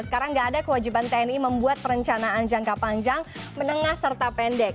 sekarang nggak ada kewajiban tni membuat perencanaan jangka panjang menengah serta pendek